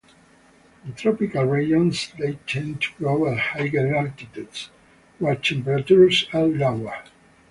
In tropical regions they tend to grow at higher altitudes where temperatures are lower.